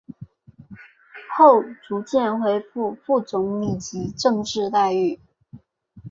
后逐渐恢复副总理级政治待遇。